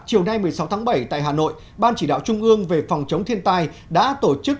chiều nay một mươi sáu tháng bảy tại hà nội ban chỉ đạo trung ương về phòng chống thiên tai đã tổ chức